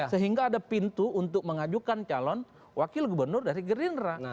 sehingga ada pintu untuk mengajukan calon wakil gubernur dari gerindra